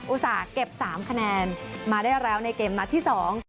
อุตส่าห์เก็บ๓คะแนนมาได้แล้วในเกมนัดที่สอง